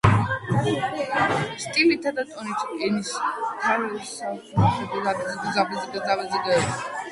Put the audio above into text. სტილითა და ტონით ენათესავებოდა აგრეთვე გრიგოლ ორბელიანის, ნიკოლოზ ბარათაშვილისა და ილია ჭავჭავაძის შემოქმედებას.